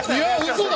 嘘だ！